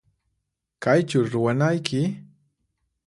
Kaychu ruwanayki?